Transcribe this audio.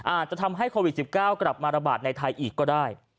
อาจจะทำให้โควิด๑๙กลับมาระบาดในไทยอีกก็ได้